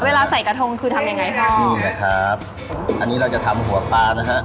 ใส่กระทงคือทำยังไงพ่อนี่นะครับอันนี้เราจะทำหัวปลานะฮะ